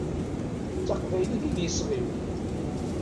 D taqbaylit i d iseɣ-iw.